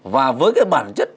và với cái bản chất